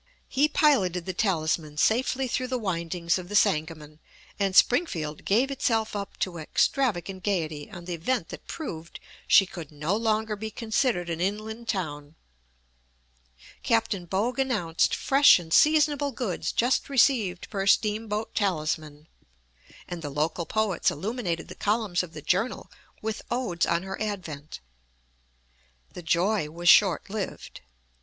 He piloted the Talisman safely through the windings of the Sangamon, and Springfield gave itself up to extravagant gayety on the event that proved she "could no longer be considered an inland town." Captain Bogue announced "fresh and seasonable goods just received per steamboat Talisman," and the local poets illuminated the columns of the "Journal" with odes on her advent. The joy was short lived.